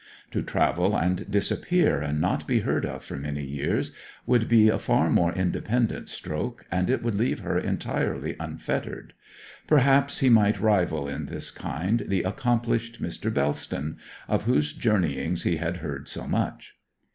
To travel and disappear and not be heard of for many years would be a far more independent stroke, and it would leave her entirely unfettered. Perhaps he might rival in this kind the accomplished Mr. Bellston, of whose journeyings he had heard so much.